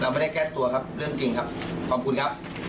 ไม่ได้แก้ตัวครับเรื่องจริงครับขอบคุณครับ